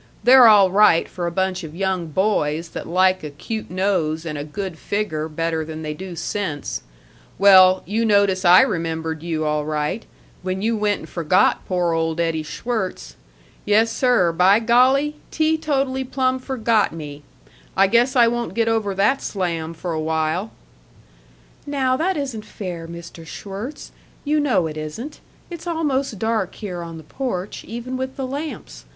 They're all right for a bunch of young boys that like a cute nose and a good figger better than they do sense Well, you notice I remembered you, all right, when you went and forgot poor old Eddie Schwirtz. Yessir, by golly! teetotally plumb forgot me. I guess I won't get over that slam for a while." "Now that isn't fair, Mr. Schwirtz; you know it isn't it's almost dark here on the porch, even with the lamps.